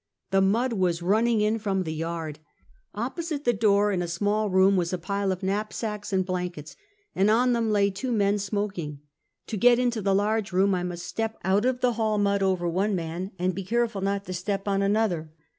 The mud was running in from the yard. Oppo site the door, in a small room, was a pile of knap sacks and blankets ; and on them lay two men smok ing. To get into the large room, I must step out of the hall mud over one man, and be careful not to step on another.